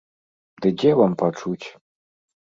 Ды дзе вам пачуць?